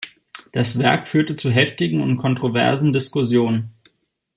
Das Werk führte zu heftigen und kontroversen Diskussionen.